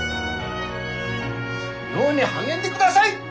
漁に励んでください！